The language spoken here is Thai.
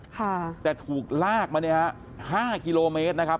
แต่ถูกลากมา๕กิโลเมตรนะครับ